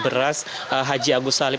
beras haji agus salib